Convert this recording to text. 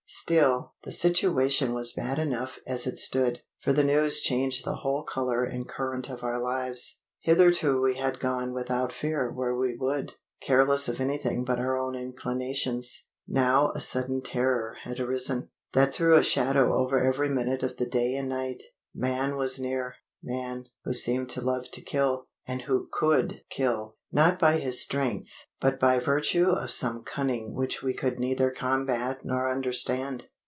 Still, the situation was bad enough as it stood, for the news changed the whole colour and current of our lives. Hitherto we had gone without fear where we would, careless of anything but our own inclinations. Now a sudden terror had arisen, that threw a shadow over every minute of the day and night. Man was near man, who seemed to love to kill, and who could kill; not by his strength, but by virtue of some cunning which we could neither combat nor understand.